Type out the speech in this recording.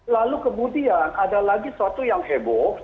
lalu kemudian ada lagi suatu yang heboh